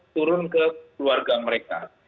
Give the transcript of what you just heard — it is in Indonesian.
turun ke keluarga mereka